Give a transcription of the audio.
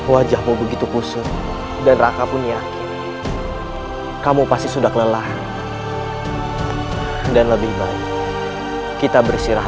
wajahmu begitu pusut dan raka pun yakin kamu pasti sudah kelelahan dan lebih baik kita bersirah